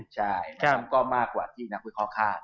ใช่มันก็มากกว่าที่นักวิเคราะห้า